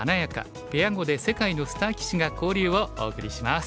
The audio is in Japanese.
ペア碁で世界のスター棋士が交流」をお送りします。